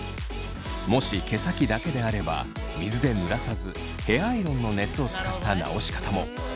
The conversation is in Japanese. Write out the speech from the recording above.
もし毛先だけであれば水で濡らさずヘアアイロンの熱を使った直し方も。